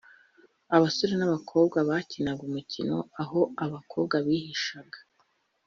Abasore n’abakobwa bakinaga umukino aho abakobwa bihishaga